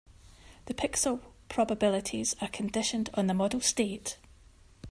The pixel probabilities are conditioned on the model state.